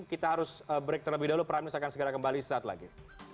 kita harus break terlebih dahulu prime news akan segera kembali saat lagi